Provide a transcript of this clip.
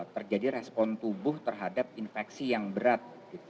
terjadi respon tubuh terhadap infeksi yang berat